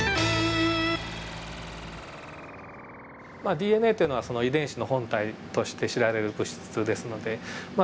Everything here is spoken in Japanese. ＤＮＡっていうのは遺伝子の本体として知られる物質ですのでまあ